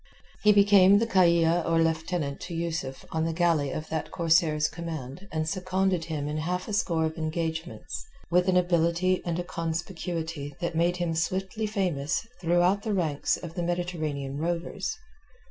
He became the Kayia or lieutenant to Yusuf on the galley of that corsair's command and seconded him in half a score of engagements with an ability and a conspicuity that made him swiftly famous throughout the ranks of the Mediterranean rovers.